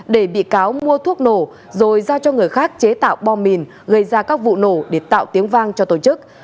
để bị cáo mua thuốc nổ rồi giao cho người khác chế tạo bom mìn gây ra các vụ nổ để tạo tiếng vang cho tổ chức